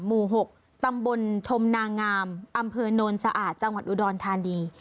หมู่๖ตำบลธมนางามอำเภอโนนสะอาดจังหวัดอุดรธานี